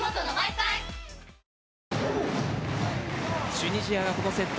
チュニジアがこのセット